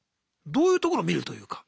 どういうところ見るというか。